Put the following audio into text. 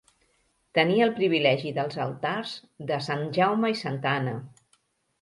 Tenia el privilegi dels altars de Sant Jaume i Santa Anna.